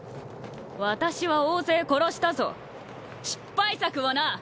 私は大勢殺したぞ失敗作をな！